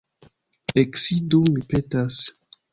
Eksidu, mi petas.